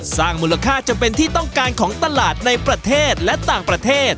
สร้างมูลค่าจำเป็นที่ต้องการของตลาดในประเทศและต่างประเทศ